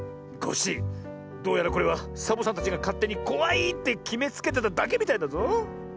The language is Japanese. コッシーどうやらこれはサボさんたちがかってにこわいってきめつけてただけみたいだぞ。